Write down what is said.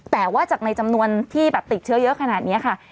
แต่ว่าจากในจำนวนที่แบบติดเชื้อเยอะขนาดนี้ค่ะ